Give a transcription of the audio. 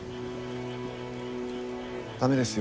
駄目ですよ